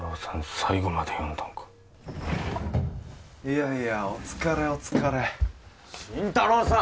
最後まで読んだんかいやいやお疲れお疲れ新太郎さん！